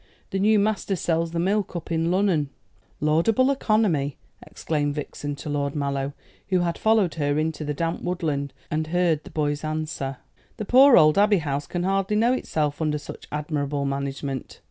"The new master sells the milk up in Lunnun." "Laudable economy," exclaimed Vixen to Lord Mallow, who had followed her into the damp woodland and heard the boy's answer. "The poor old Abbey House can hardly know itself under such admirable management."